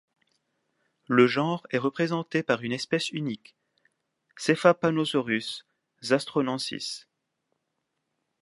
Le genre est représenté par une espèce unique, Sefapanosaurus zastronensis.